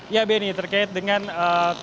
ya beni terkait dengan tempat asal